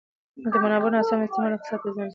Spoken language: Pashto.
د منابعو ناسم استعمال اقتصاد ته زیان رسوي.